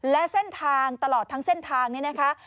และเส้นทางตลอดทั้งเส้นทางนี้นะคะ